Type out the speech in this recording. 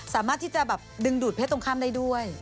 สามารถที่จะแบบดึงดูดเพศตรงข้ามได้ด้วย